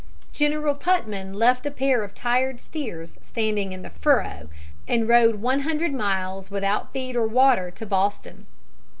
General Putnam left a pair of tired steers standing in the furrow, and rode one hundred miles without feed or water to Boston.